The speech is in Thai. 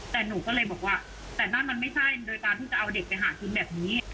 แต่หนูก็เลยบอกว่าแต่นั่นมันไม่ใช่โดยการที่จะเอาเด็กไปหากินแบบนี้